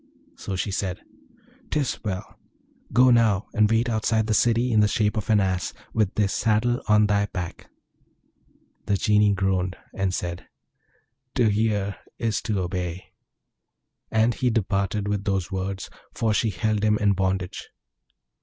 So she said, ''Tis well! Go now, and wait outside the city in the shape of an Ass, with this saddle on thy back.' The Genie groaned, and said, 'To hear is to obey!' And he departed with those words, for she held him in bondage.